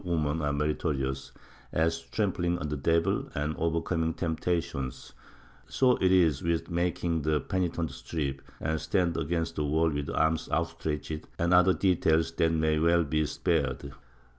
V] TREATMENT 35 are meritorious as trampling on the devil and overcoming temp tation; so it is with making the penitent strip and stand against a wall with arms outstretched, and other details that may well be spared.